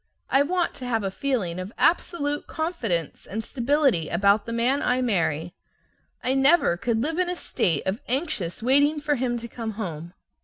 I want to have a feeling of absolute confidence and stability about the man I marry. I never could live in a state of anxious waiting for him to come home.